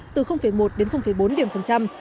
từ một đến bốn điểm phần trăm